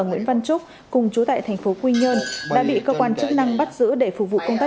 nguyễn văn trúc cùng chú tại thành phố quy nhơn đã bị cơ quan chức năng bắt giữ để phục vụ công tác